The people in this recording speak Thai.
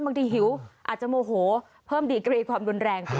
หิวอาจจะโมโหเพิ่มดีกรีความรุนแรง